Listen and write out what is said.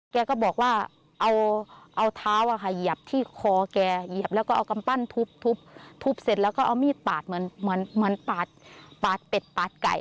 แกก็บอกว่าเอาเท้าเหยียบที่คอแกเหยียบแล้วก็เอากำปั้นทุบเสร็จแล้วก็เอามีดปาดเหมือนปาดเป็ดปาดไก่